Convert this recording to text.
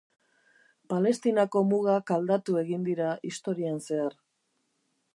Palestinako mugak aldatu egin dira historian zehar.